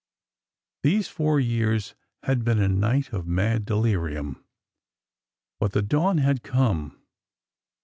These four years had been a night of mad delirium,— but the dawn had come.